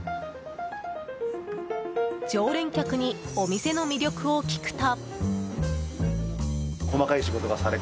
常連客にお店の魅力を聞くと。